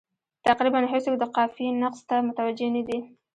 تقریبا هېڅوک د قافیې نقص ته متوجه نه دي.